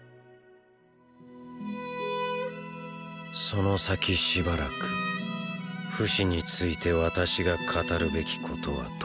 その先しばらくフシについて私が語るべきことは特にない。